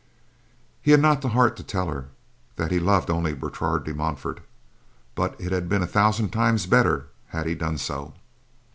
He had not the heart to tell her that he loved only Bertrade de Montfort, but it had been a thousand times better had he done so.